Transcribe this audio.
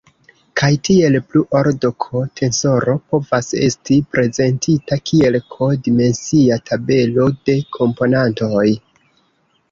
Kaj tiel plu: ordo-"k" tensoro povas esti prezentita kiel "k"-dimensia tabelo de komponantoj.